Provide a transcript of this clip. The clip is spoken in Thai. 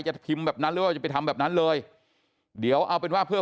จะพิมพ์แบบนั้นหรือว่าจะไปทำแบบนั้นเลยเดี๋ยวเอาเป็นว่าเพื่อ